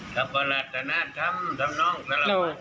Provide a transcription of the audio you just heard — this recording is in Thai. ทำประหลาดจะน่าทำทำน้องน่าละ